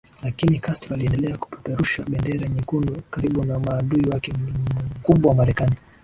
lakini Castro aliendelea kupeperusha bendera nyekundu karibu na maadui wake mkubwa Marekani